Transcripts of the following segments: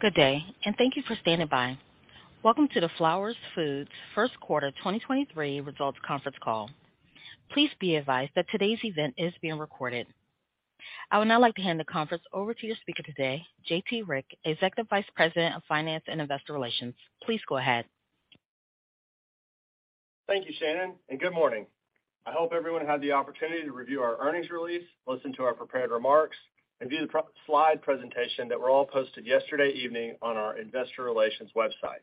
Good day, and thank you for standing by. Welcome to the Flowers Foods First Quarter 2023 Results Conference Call. Please be advised that today's event is being recorded. I would now like to hand the conference over to your speaker today, J.T. Rieck, Executive Vice President of Finance and Investor Relations. Please go ahead. Thank you, Shannon. Good morning. I hope everyone had the opportunity to review our earnings release, listen to our prepared remarks, and view the slide presentation that were all posted yesterday evening on our investor relations website.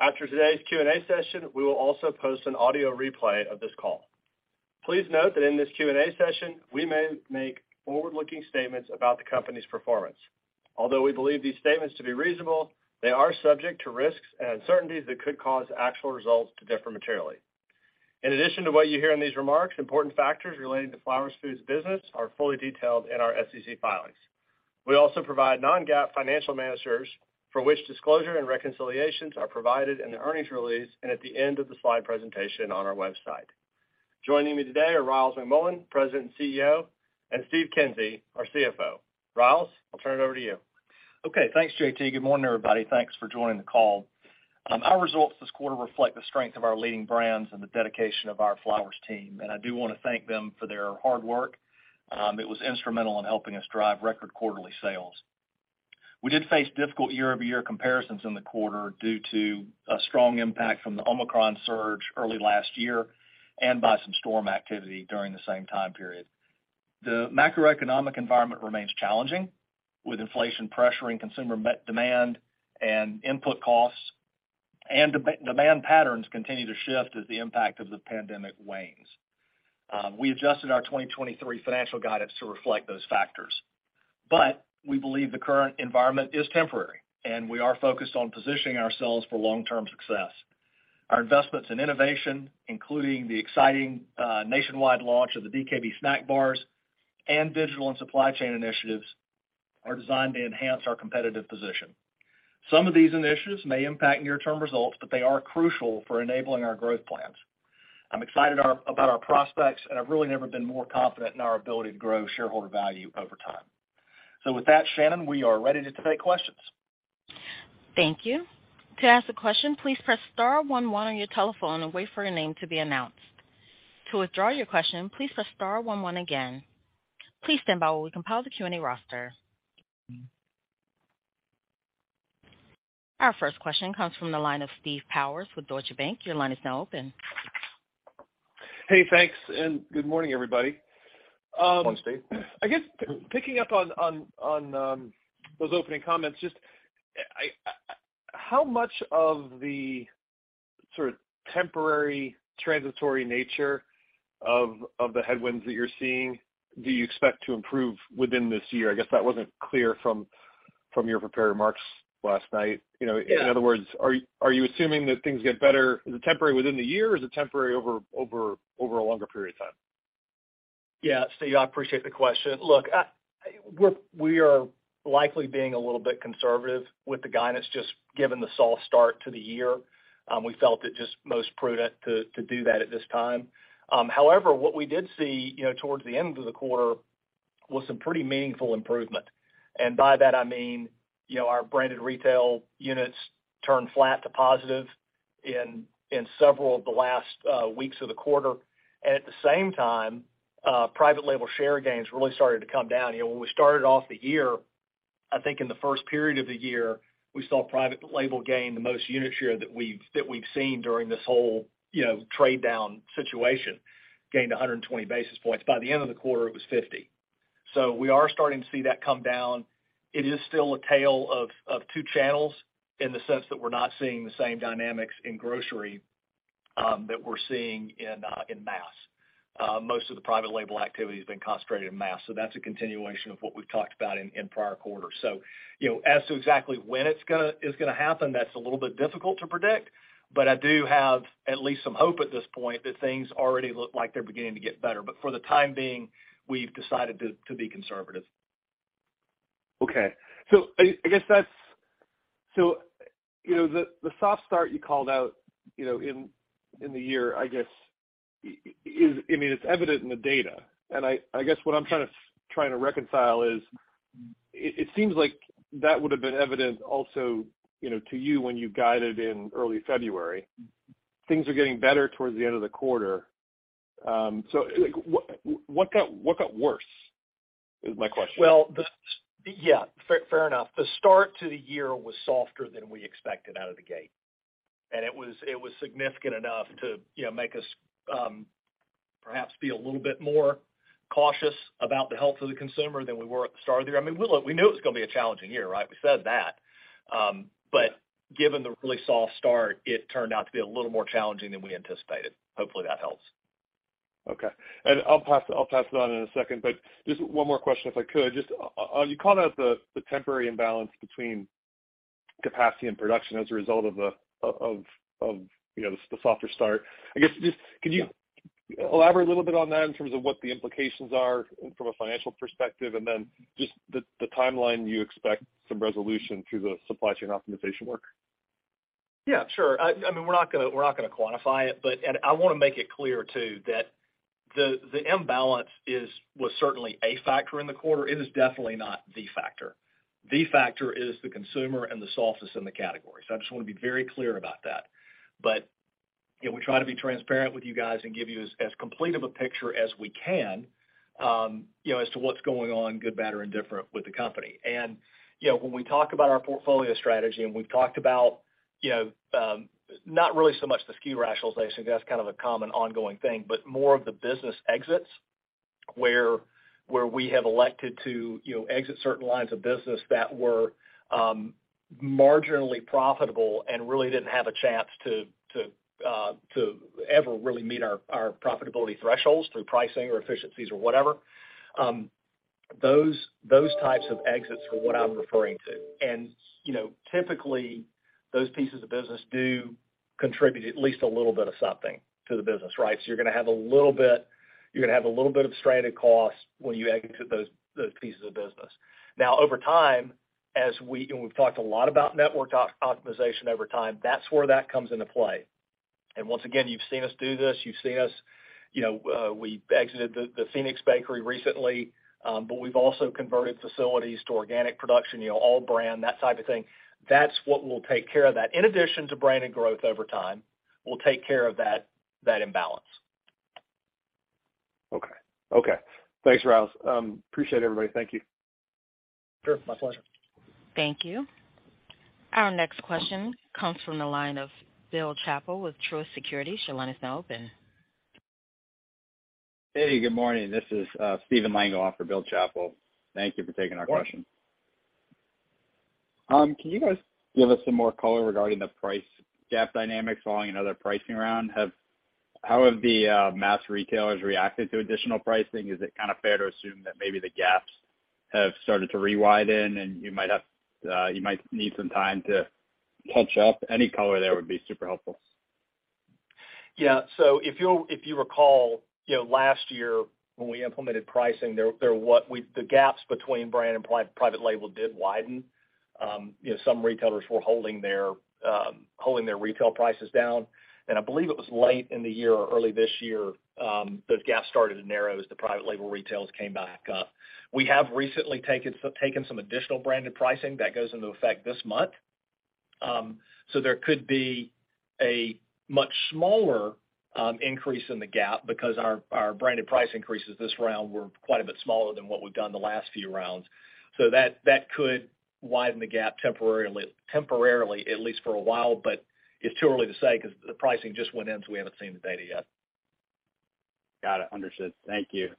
After today's Q&A session, we will also post an audio replay of this call. Please note that in this Q&A session, we may make forward-looking statements about the company's performance. Although we believe these statements to be reasonable, they are subject to risks and uncertainties that could cause actual results to differ materially. In addition to what you hear in these remarks, important factors relating to Flowers Foods business are fully detailed in our SEC filings. We also provide non-GAAP financial measures for which disclosure and reconciliations are provided in the earnings release and at the end of the slide presentation on our website. Joining me today are Ryals McMullian, President and CEO, and Steve Kinsey, our CFO. Ryals, I'll turn it over to you. Okay. Thanks, J.T. Good morning, everybody. Thanks for joining the call. Our results this quarter reflect the strength of our leading brands and the dedication of our Flowers team, and I do wanna thank them for their hard work. It was instrumental in helping us drive record quarterly sales. We did face difficult year-over-year comparisons in the quarter due to a strong impact from the Omicron surge early last year and by some storm activity during the same time period. The macroeconomic environment remains challenging, with inflation pressuring consumer demand and input costs, and demand patterns continue to shift as the impact of the pandemic wanes. We adjusted our 2023 financial guidance to reflect those factors. We believe the current environment is temporary, and we are focused on positioning ourselves for long-term success. Our investments in innovation, including the exciting nationwide launch of the DKB snack bars and digital and supply chain initiatives, are designed to enhance our competitive position. Some of these initiatives may impact near-term results, but they are crucial for enabling our growth plans. I'm excited about our prospects, and I've really never been more confident in our ability to grow shareholder value over time. With that, Shannon, we are ready to take questions. Thank you. To ask a question, please press star one one on your telephone and wait for your name to be announced. To withdraw your question, please press star one one again. Please stand by while we compile the Q&A roster. Our first question comes from the line of Steve Powers with Deutsche Bank. Your line is now open. Hey, thanks. Good morning, everybody. Morning, Steve. I guess picking up on those opening comments, just How much of the sort of temporary transitory nature of the headwinds that you're seeing do you expect to improve within this year? I guess that wasn't clear from your prepared remarks last night. You know. Yeah. In other words, are you assuming that things get better. Is it temporary within the year, or is it temporary over a longer period of time? Steve, I appreciate the question. Look, we are likely being a little bit conservative with the guidance just given the soft start to the year. We felt it just most prudent to do that at this time. However, what we did see, you know, towards the end of the quarter was some pretty meaningful improvement. By that, I mean, you know, our branded retail units turned flat to positive in several of the last weeks of the quarter. At the same time, private label share gains really started to come down. You know, when we started off the year, I think in the first period of the year, we saw private label gain the most unit share that we've seen during this whole, you know, trade down situation, gained 120 basis points. By the end of the quarter, it was 50. We are starting to see that come down. It is still a tale of two channels in the sense that we're not seeing the same dynamics in grocery that we're seeing in mass. Most of the private label activity has been concentrated in mass, so that's a continuation of what we've talked about in prior quarters. You know, as to exactly when it is gonna happen, that's a little bit difficult to predict, but I do have at least some hope at this point that things already look like they're beginning to get better. For the time being, we've decided to be conservative. Okay. I guess that's. You know, the soft start you called out, you know, in the year, I guess, is. I mean, it's evident in the data. I guess what I'm trying to reconcile is it seems like that would've been evident also, you know, to you when you guided in early February. Things are getting better towards the end of the quarter. Like, what got worse is my question? Well, yeah, fair enough. The start to the year was softer than we expected out of the gate, and it was significant enough to, you know, make us, perhaps be a little bit more cautious about the health of the consumer than we were at the start of the year. I mean, look, we knew it was gonna be a challenging year, right? We said that. But given the really soft start, it turned out to be a little more challenging than we anticipated. Hopefully, that helps. Okay. I'll pass it on in a second, but just one more question if I could. Just, you called out the temporary imbalance between capacity and production as a result of, you know, the softer start. I guess, just can you elaborate a little bit on that in terms of what the implications are from a financial perspective, and then just the timeline you expect some resolution through the supply chain optimization work? Yeah, sure. I mean, we're not gonna, we're not gonna quantify it, and I wanna make it clear too, that the imbalance was certainly a factor in the quarter. It is definitely not the factor. The factor is the consumer and the softness in the category. I just wanna be very clear about that. You know, we try to be transparent with you guys and give you as complete of a picture as we can, you know, as to what's going on, good, bad, or indifferent with the company. You know, when we talk about our portfolio strategy, and we've talked about, you know, not really so much the SKU rationalization, that's kind of a common ongoing thing, but more of the business exits where we have elected to, you know, exit certain lines of business that were marginally profitable and really didn't have a chance to ever really meet our profitability thresholds through pricing or efficiencies or whatever. Those types of exits are what I'm referring to. You know, typically, those pieces of business do contribute at least a little bit of something to the business, right? You're gonna have a little bit, you're gonna have a little bit of stranded costs when you exit those pieces of business. Over time, as we've talked a lot about network optimization over time, that's where that comes into play. Once again, you've seen us do this, you've seen us, you know, we exited the Phoenix Bakery recently, but we've also converted facilities to organic production, you know, all brand, that type of thing. That's what will take care of that. In addition to branded growth over time, we'll take care of that imbalance. Okay. Okay. Thanks, Ryals. Appreciate it, everybody. Thank you. Sure. My pleasure. Thank you. Our next question comes from the line of Bill Chappell with Truist Securities. Your line is now open. Hey, good morning. This is, Steven Mango for Bill Chappell. Thank you for taking our question. Sure. Can you guys give us some more color regarding the price gap dynamics following another pricing round? How have the mass retailers reacted to additional pricing? Is it kind of fair to assume that maybe the gaps have started to re-widen and you might need some time to catch up? Any color there would be super helpful. Yeah. If you recall, you know, last year when we implemented pricing, the gaps between brand and private label did widen. You know, some retailers were holding their retail prices down. I believe it was late in the year or early this year, those gaps started to narrow as the private label retails came back up. We have recently taken some additional branded pricing that goes into effect this month. There could be a much smaller increase in the gap because our branded price increases this round were quite a bit smaller than what we've done the last few rounds. That, that could widen the gap temporarily, at least for a while, but it's too early to say 'cause the pricing just went in, so we haven't seen the data yet. Got it. Understood. Thank you.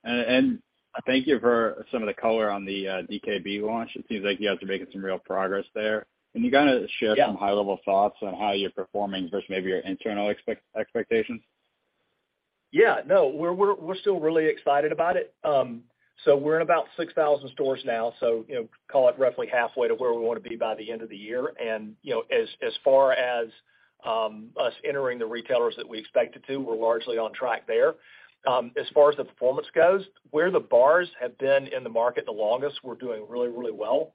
Thank you for some of the color on the DKB launch. It seems like you guys are making some real progress there. Yeah. -share some high-level thoughts on how you're performing versus maybe your internal expectations? Yeah. No. We're still really excited about it. So we're in about 6,000 stores now, so, you know, call it roughly halfway to where we wanna be by the end of the year. You know, as far as us entering the retailers that we expected to, we're largely on track there. As far as the performance goes, where the bars have been in the market the longest, we're doing really, really well.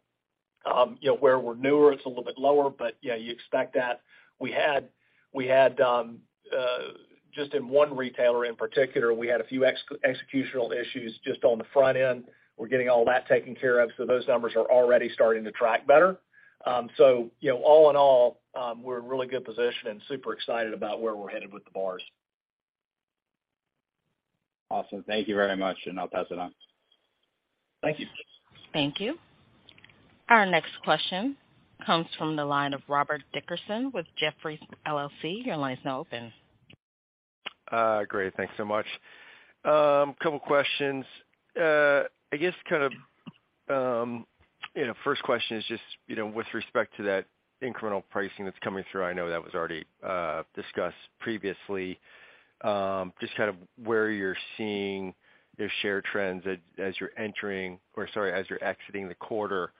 You know, where we're newer, it's a little bit lower, but yeah, you expect that. We had just in one retailer in particular, we had a few executional issues just on the front end. We're getting all that taken care of, so those numbers are already starting to track better. You know, all in all, we're in a really good position and super excited about where we're headed with the bars. Awesome. Thank you very much, and I'll pass it on. Thank you. Thank you. Our next question comes from the line of Rob Dickerson with Jefferies LLC. Your line is now open. Great. Thanks so much. Couple questions. I guess kind of, you know, first question is just, you know, with respect to that incremental pricing that's coming through, I know that was already discussed previously, just kind of where you're seeing your share trends as you're exiting the quarter.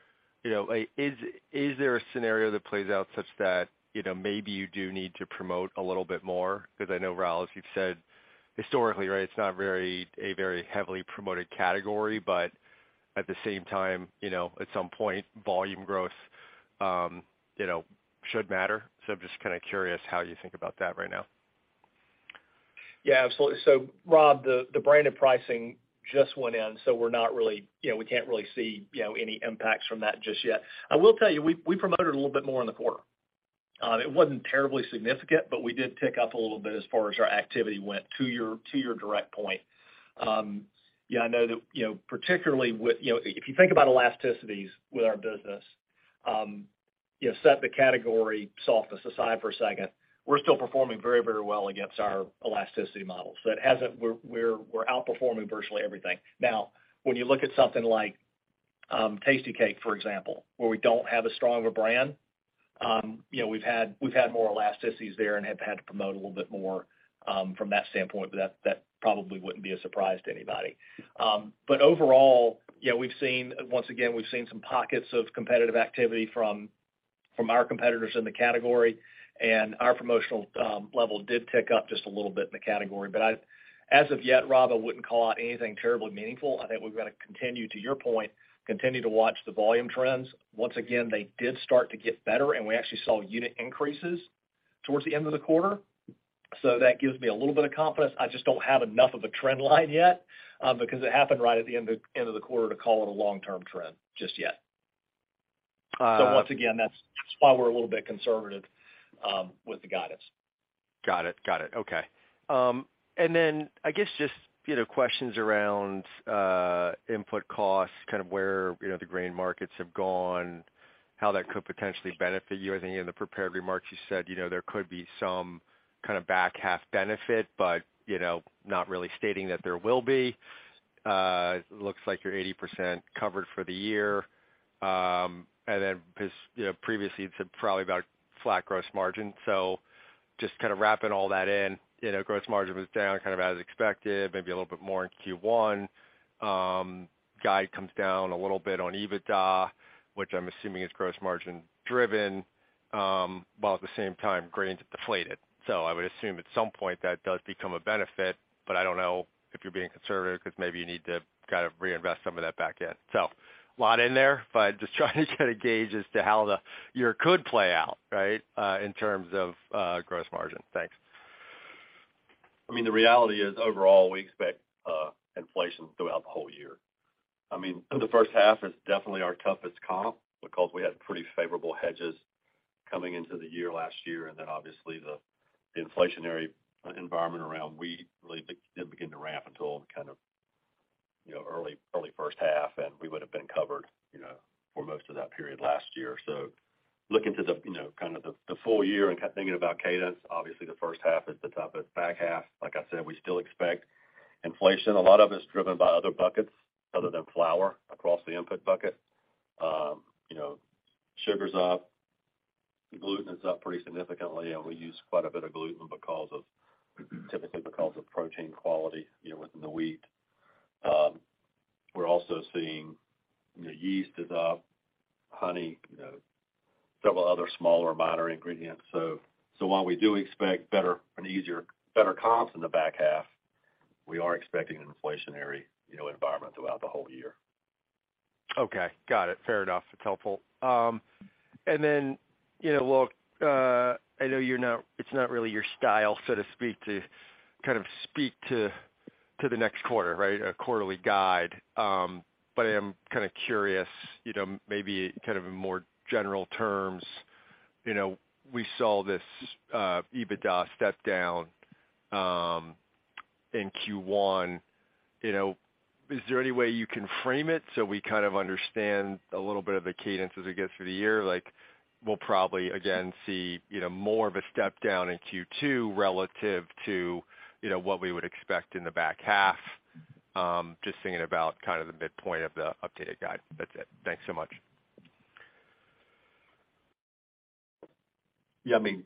You know, like, is there a scenario that plays out such that, you know, maybe you do need to promote a little bit more? 'Cause I know, Ralph, as you've said, historically, right, it's not a very heavily promoted category, but at the same time, you know, at some point, volume growth, you know, should matter. I'm just kinda curious how you think about that right now. Yeah, absolutely. Rob, the branded pricing just went in, so we're not really you know, we can't really see, you know, any impacts from that just yet. I will tell you, we promoted a little bit more in the quarter. It wasn't terribly significant, but we did tick up a little bit as far as our activity went to your, to your direct point. Yeah, I know that, you know, particularly with, you know, if you think about elasticities with our business, you know, set the category softness aside for a second, we're still performing very, very well against our elasticity models. That hasn't. We're outperforming virtually everything. Now, when you look at something like Tastykake, for example, where we don't have as strong of a brand, you know, we've had more elasticities there and have had to promote a little bit more from that standpoint, but that probably wouldn't be a surprise to anybody. Overall, you know, we've seen Once again, we've seen some pockets of competitive activity from our competitors in the category, and our promotional level did tick up just a little bit in the category. As of yet, Rob, I wouldn't call out anything terribly meaningful. I think we've got to continue, to your point, continue to watch the volume trends. Once again, they did start to get better and we actually saw unit increases towards the end of the quarter. That gives me a little bit of confidence. I just don't have enough of a trend line yet, because it happened right at the end of the quarter to call it a long-term trend just yet. Uh- Once again, that's why we're a little bit conservative with the guidance. Got it. Got it. Okay. I guess just, you know, questions around input costs, kind of where, you know, the grain markets have gone, how that could potentially benefit you. I think in the prepared remarks, you said, you know, there could be some kind of back half benefit, but, you know, not really stating that there will be. Looks like you're 80% covered for the year. You know, previously, you said probably about flat gross margin. Just kind of wrapping all that in, you know, gross margin was down kind of as expected, maybe a little bit more in Q1. Guide comes down a little bit on EBITDA, which I'm assuming is gross margin driven, while at the same time, grains have deflated. I would assume at some point that does become a benefit, but I don't know if you're being conservative because maybe you need to kind of reinvest some of that back in. A lot in there, but just trying to kind of gauge as to how the year could play out, right, in terms of gross margin. Thanks. I mean, the reality is, overall, we expect inflation throughout the whole year. I mean, the first half is definitely our toughest comp because we had pretty favorable hedges coming into the year last year. Then obviously, the inflationary environment around wheat really didn't begin to ramp until kind of, you know, early first half, and we would have been covered, you know, for most of that period last year. Looking to the, you know, kind of the full year and thinking about cadence, obviously, the first half is the toughest. Back half, like I said, we still expect inflation. A lot of it's driven by other buckets other than flour across the input bucket. Sugar's up, gluten is up pretty significantly, and we use quite a bit of gluten because of typically because of protein quality, you know, within the wheat. We're also seeing, you know, yeast is up, honey, you know, several other smaller minor ingredients. While we do expect better and easier, better comps in the back half, we are expecting an inflationary, you know, environment throughout the whole year. Okay. Got it. Fair enough. That's helpful. You know, look, I know it's not really your style, so to speak, to kind of speak to the next quarter, right, a quarterly guide. I am kind of curious, you know, maybe kind of in more general terms, you know, we saw this EBITDA step down in Q1. You know, is there any way you can frame it so we kind of understand a little bit of the cadence as it gets through the year? Like, we'll probably, again, see, you know, more of a step down in Q2 relative to, you know, what we would expect in the back half, just thinking about kind of the midpoint of the updated guide. That's it. Thanks so much. Yeah, I mean,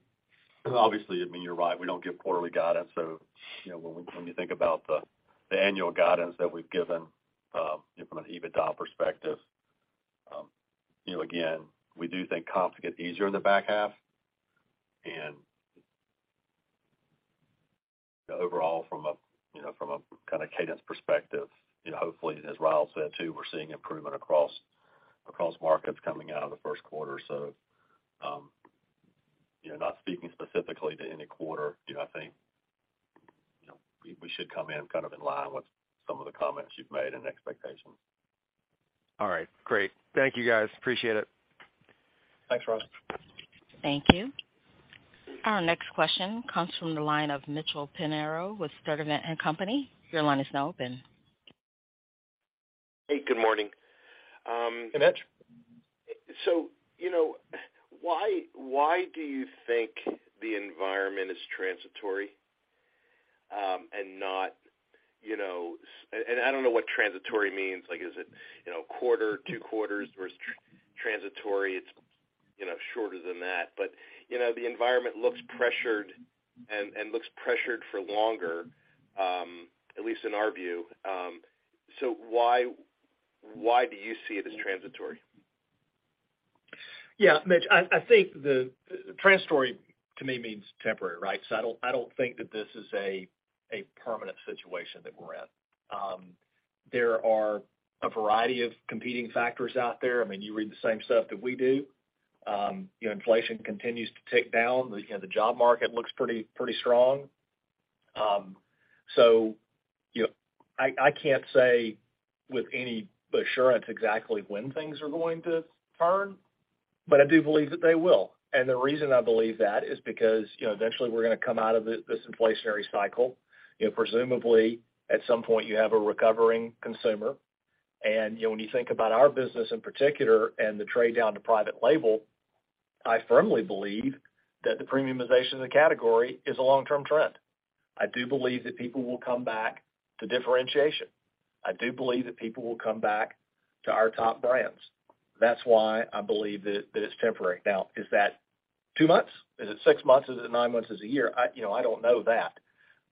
obviously, I mean, you're right. We don't give quarterly guidance. You know, when you think about the annual guidance that we've given, from an EBITDA perspective, you know, again, we do think comps get easier in the back half. You know, overall, from a, you know, from a kind of cadence perspective, you know, hopefully, as Ryals said, too, we're seeing improvement across markets coming out of the first quarter. You know, not speaking specifically to any quarter, you know, I think, you know, we should come in kind of in line with some of the comments you've made and expectations. All right. Great. Thank you, guys. Appreciate it. Thanks, Rob. Thank you. Our next question comes from the line of Mitchell Pinheiro with Stifel Nicolaus & Co. Your line is now open. Hey, good morning. Hey, Mitch. You know, why do you think the environment is transitory, and not, you know. I don't know what transitory means. Like, is it, you know, a quarter, two quarters? Whereas transitory, it's, you know, shorter than that. You know, the environment looks pressured and looks pressured for longer, at least in our view. Why, why do you see it as transitory? Yeah. Mitch, I think transitory to me means temporary, right? I don't think that this is a permanent situation that we're in. There are a variety of competing factors out there. I mean, you read the same stuff that we do. You know, inflation continues to tick down. You know, the job market looks pretty strong. You know, I can't say with any assurance exactly when things are going to turn, but I do believe that they will. The reason I believe that is because, you know, eventually we're gonna come out of this inflationary cycle. You know, presumably, at some point, you have a recovering consumer. You know, when you think about our business in particular and the trade down to private label, I firmly believe that the premiumization of the category is a long-term trend. I do believe that people will come back to differentiation. I do believe that people will come back to our top brands. That's why I believe that it's temporary. Now, is that 2 months? Is it 6 months? Is it 9 months? Is it 1 year? I, you know, I don't know that,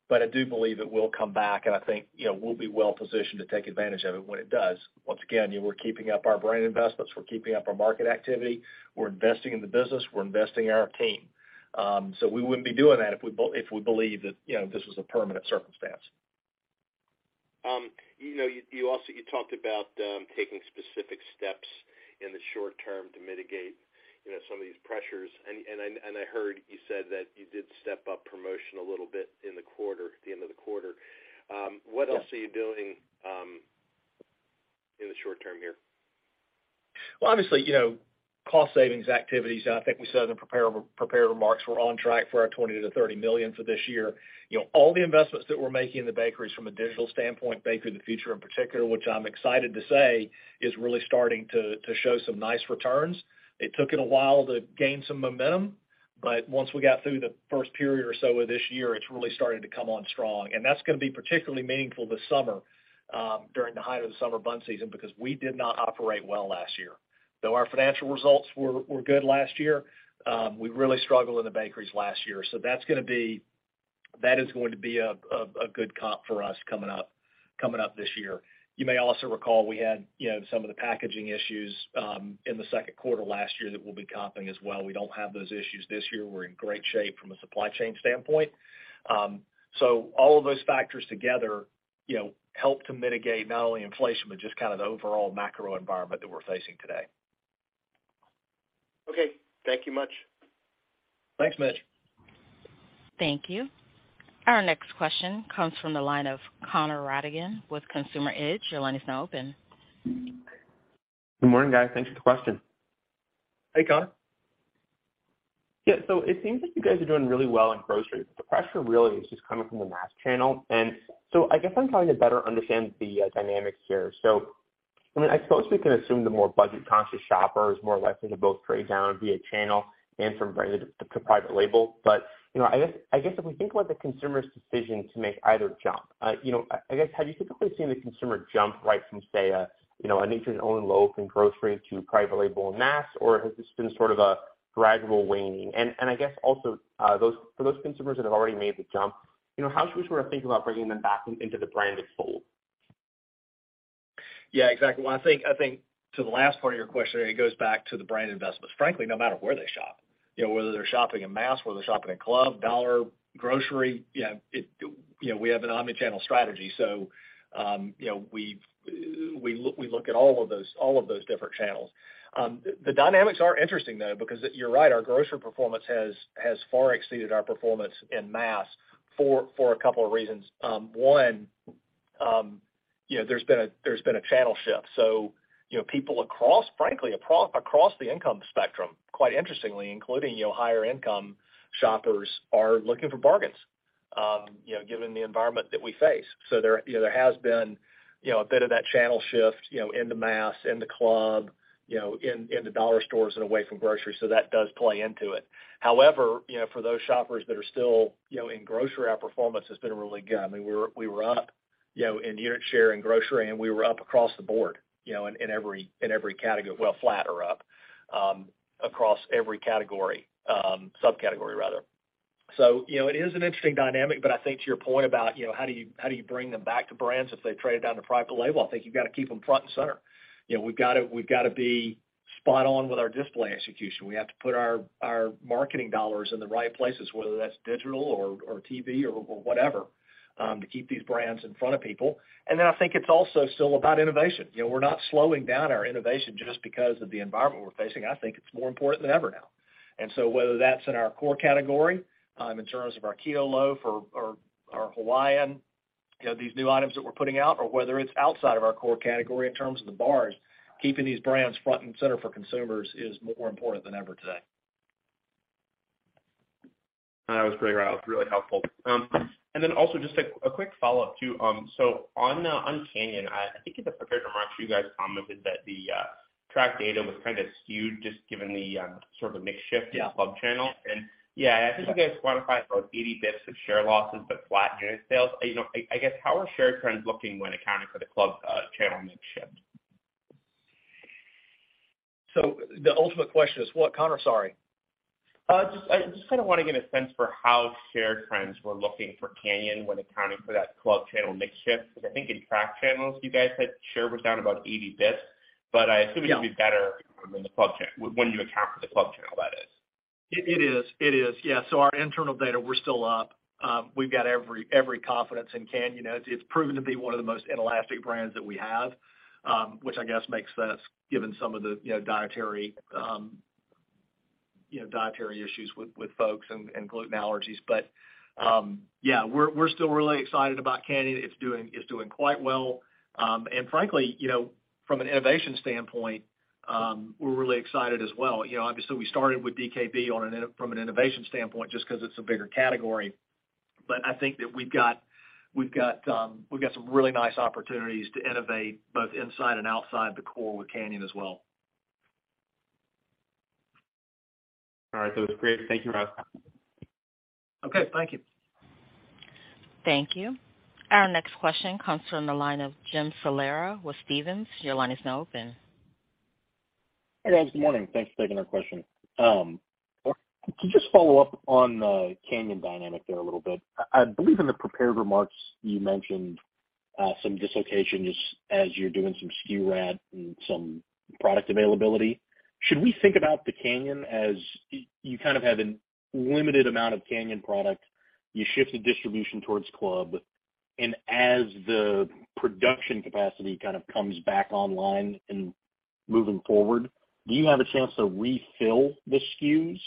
but I do believe it will come back, and I think, you know, we'll be well-positioned to take advantage of it when it does. Once again, you know, we're keeping up our brand investments. We're keeping up our market activity. We're investing in the business. We're investing in our team. We wouldn't be doing that if we believe that, you know, this was a permanent circumstance. You know, you also talked about taking specific steps in the short term to mitigate, you know, some of these pressures. I heard you said that you did step up promotion a little bit in the quarter, at the end of the quarter. Yeah. What else are you doing, in the short term here? Well, obviously, you know, cost savings activities, I think we said in the prepared remarks, we're on track for our $20 million-$30 million for this year. You know, all the investments that we're making in the bakeries from a digital standpoint, Bakery of the Future in particular, which I'm excited to say is really starting to show some nice returns. It took it a while to gain some momentum, once we got through the first period or so of this year, it's really starting to come on strong. That's gonna be particularly meaningful this summer during the height of the summer bun season because we did not operate well last year. Though our financial results were good last year, we really struggled in the bakeries last year. That is going to be a good comp for us coming up this year. You may also recall we had, you know, some of the packaging issues, in the second quarter last year that we'll be comping as well. We don't have those issues this year. We're in great shape from a supply chain standpoint. All of those factors together, you know, help to mitigate not only inflation, but just kind of the overall macro environment that we're facing today. Okay. Thank you much. Thanks, Mitch. Thank you. Our next question comes from the line of Connor Rattigan with Consumer Edge. Your line is now open. Good morning, guys. Thanks for the question. Hey, Connor. It seems like you guys are doing really well in groceries. The pressure really is just coming from the mass channel. I guess I'm trying to better understand the dynamics here. I mean, I suppose we can assume the more budget-conscious shopper is more likely to both trade down via channel and from brand to private label. You know, I guess if we think about the consumer's decision to make either jump, you know, I guess, have you typically seen the consumer jump right from, say, a, you know, a Nature's Own loaf in grocery to private label en masse, or has this been sort of a gradual waning? I guess also, for those consumers that have already made the jump, you know, how should we sort of think about bringing them back into the branded fold? Yeah, exactly. Well, I think to the last part of your question, it goes back to the brand investments, frankly, no matter where they shop. You know, whether they're shopping in mass, whether they're shopping in club, dollar, grocery, you know, we have an omni-channel strategy. You know, we look at all of those, all of those different channels. The dynamics are interesting, though, because you're right, our grocery performance has far exceeded our performance in mass for a couple of reasons. One, you know, there's been a channel shift. You know, people across, frankly, across the income spectrum, quite interestingly, including, you know, higher income shoppers are looking for bargains, you know, given the environment that we face. There, you know, there has been, you know, a bit of that channel shift, you know, into mass, in the club, you know, in the dollar stores and away from grocery. That does play into it. However, you know, for those shoppers that are still, you know, in grocery, our performance has been really good. I mean, we were up, you know, in unit share in grocery, and we were up across the board, you know, in every, in every category, well, flat or up, across every category, subcategory rather. You know, it is an interesting dynamic, but I think to your point about, you know, how do you, how do you bring them back to brands if they've traded down to private label? I think you've got to keep them front and center. You know, we've got to be spot on with our display execution. We have to put our marketing dollars in the right places, whether that's digital or TV or whatever, to keep these brands in front of people. I think it's also still about innovation. You know, we're not slowing down our innovation just because of the environment we're facing. I think it's more important than ever now. Whether that's in our core category, in terms of our Keto Loaf or our Hawaiian, you know, these new items that we're putting out, or whether it's outside of our core category in terms of the bars, keeping these brands front and center for consumers is more important than ever today. That was great, Ryals. Really helpful. Just a quick follow-up to on Canyon, I think in the prepared remarks, you guys commented that the track data was kind of skewed just given the sort of mix shift in club channel. Yeah. Yeah, I think you guys quantified about 80 basis points of share losses, but flat unit sales. You know, I guess, how are share trends looking when accounting for the club channel mix shift? The ultimate question is what, Connor? Sorry. I just kind of want to get a sense for how share trends were looking for Canyon when accounting for that club channel mix shift. Because I think in track channels, you guys said share was down about 80 bits, but I assume-. Yeah. it would be better in the club when you account for the club channel, that is. It is. It is. Yeah. Our internal data, we're still up. We've got every confidence in Canyon. You know, it's proven to be one of the most inelastic brands that we have, which I guess makes sense given some of the, you know, dietary, you know, dietary issues with folks and gluten allergies. Yeah, we're still really excited about Canyon. It's doing quite well. Frankly, you know, from an innovation standpoint, we're really excited as well. You know, obviously we started with DKB from an innovation standpoint just 'cause it's a bigger category. I think that we've got some really nice opportunities to innovate both inside and outside the core with Canyon as well. All right. That was great. Thank you, Ryals. Okay. Thank you. Thank you. Our next question comes from the line of Jim Salera with Stephens. Your line is now open. Hey, guys. Good morning. Thanks for taking our question. Of course. To just follow up on the Canyon dynamic there a little bit. I believe in the prepared remarks you mentioned some dislocation just as you're doing some SKU rad and some product availability. Should we think about the Canyon as you kind of have a limited amount of Canyon product, you shift the distribution towards club, and as the production capacity kind of comes back online and moving forward, do you have a chance to refill the SKUs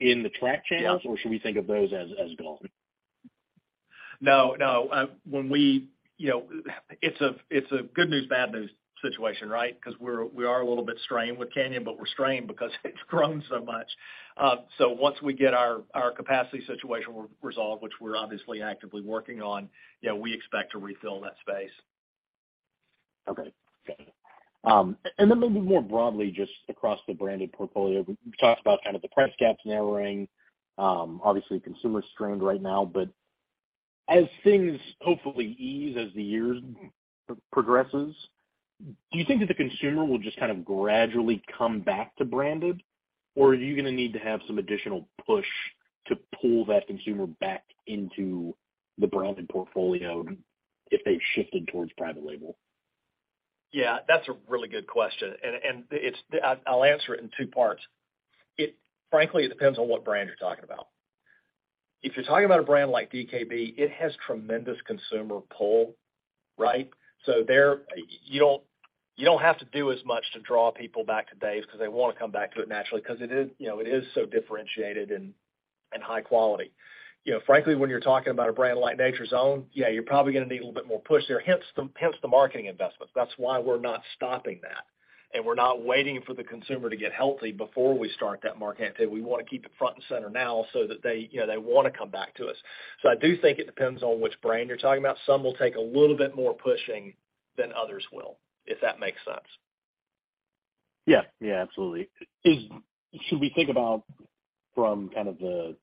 in the track channels? Yeah. Should we think of those as gone? No, no. You know, it's a, it's a good news, bad news situation, right? 'Cause we are a little bit strained with Canyon, but we're strained because it's grown so much. Once we get our capacity situation re-resolved, which we're obviously actively working on, you know, we expect to refill that space. Okay. Okay. Then maybe more broadly, just across the branded portfolio, we talked about kind of the price gaps narrowing. Obviously, consumer's strained right now. As things hopefully ease as the years progresses, do you think that the consumer will just kind of gradually come back to branded? Or are you gonna need to have some additional push to pull that consumer back into the branded portfolio if they've shifted towards private label? Yeah, that's a really good question. I'll answer it in two parts. Frankly, it depends on what brand you're talking about. If you're talking about a brand like DKB, it has tremendous consumer pull, right? There, you don't have to do as much to draw people back to Dave's 'cause they wanna come back to it naturally 'cause it is, you know, it is so differentiated and high quality. You know, frankly, when you're talking about a brand like Nature's Own, yeah, you're probably gonna need a little bit more push there, hence the marketing investments. That's why we're not stopping that. We're not waiting for the consumer to get healthy before we start that market activity. We wanna keep it front and center now so that they, you know, they wanna come back to us. I do think it depends on which brand you're talking about. Some will take a little bit more pushing than others will, if that makes sense. Yeah. Yeah, absolutely. Should we think about from kind of the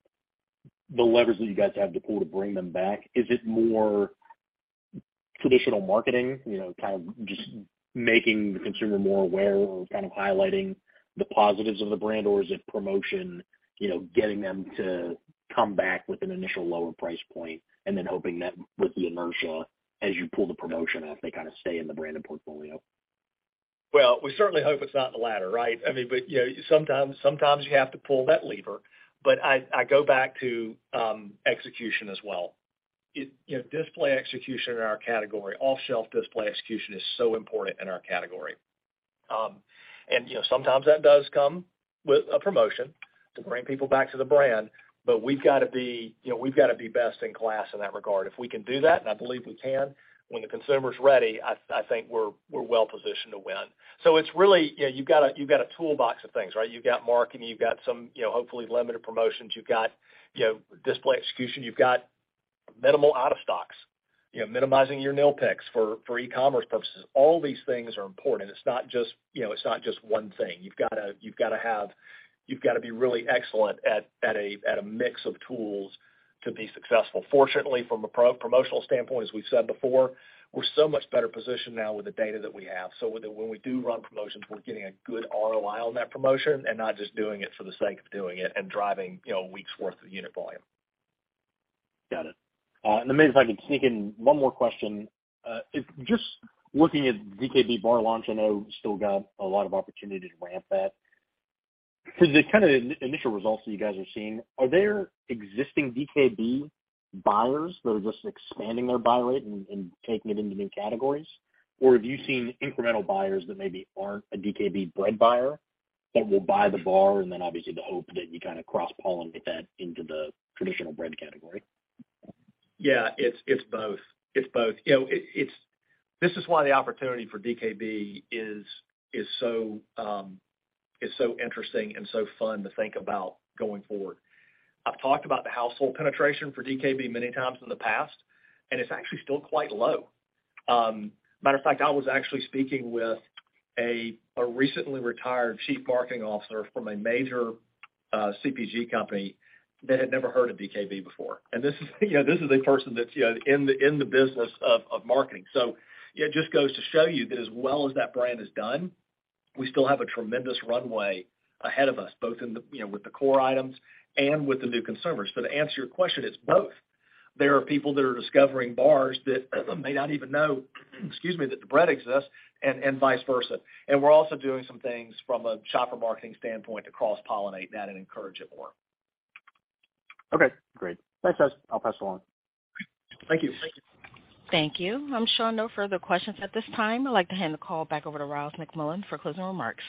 levers that you guys have to pull to bring them back, is it more traditional marketing, you know, kind of just making the consumer more aware or kind of highlighting the positives of the brand? Is it promotion, you know, getting them to come back with an initial lower price point and then hoping that with the inertia, as you pull the promotion off, they kinda stay in the branded portfolio? Well, we certainly hope it's not the latter, right? I mean, you know, sometimes you have to pull that lever. I go back to execution as well. You know, display execution in our category, off-shelf display execution is so important in our category. You know, sometimes that does come with a promotion to bring people back to the brand. We've gotta be best in class in that regard. If we can do that, and I believe we can, when the consumer's ready, I think we're well positioned to win. It's really, you know, you've got a toolbox of things, right? You've got marketing, you've got some, you know, hopefully limited promotions. You've got, you know, display execution. You've got minimal out of stocks, you know, minimizing your nil picks for e-commerce purposes. All these things are important. It's not just, you know, it's not just one thing. You've gotta be really excellent at a mix of tools to be successful. Fortunately, from a pro-promotional standpoint, as we've said before, we're so much better positioned now with the data that we have. When we do run promotions, we're getting a good ROI on that promotion and not just doing it for the sake of doing it and driving, you know, a week's worth of unit volume. Got it. Then maybe if I could sneak in one more question. If just looking at DKB bar launch, I know still got a lot of opportunity to ramp that. Is the kind of initial results that you guys are seeing, are there existing DKB buyers that are just expanding their buy rate and taking it into new categories? Or have you seen incremental buyers that maybe aren't a DKB bread buyer that will buy the bar and then obviously the hope that you kind of cross-pollinate that into the traditional bread category? Yeah, it's both. It's both. You know, this is why the opportunity for DKB is so interesting and so fun to think about going forward. I've talked about the household penetration for DKB many times in the past, and it's actually still quite low. Matter of fact, I was actually speaking with a recently retired chief marketing officer from a major CPG company that had never heard of DKB before. This is you know, this is a person that's, you know, in the business of marketing. You know, it just goes to show you that as well as that brand has done, we still have a tremendous runway ahead of us, both in the, you know, with the core items and with the new consumers. To answer your question, it's both. There are people that are discovering bars that may not even know, excuse me, that the bread exists and vice versa. We're also doing some things from a shopper marketing standpoint to cross-pollinate that and encourage it more. Okay, great. Thanks, guys. I'll pass along. Thank you. Thank you. I'm showing no further questions at this time. I'd like to hand the call back over to Ryals McMullian for closing remarks.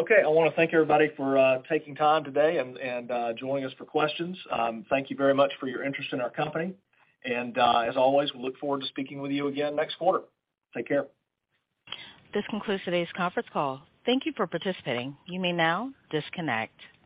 Okay. I wanna thank everybody for taking time today and joining us for questions. Thank you very much for your interest in our company. As always, we look forward to speaking with you again next quarter. Take care. This concludes today's conference call. Thank you for participating. You may now disconnect.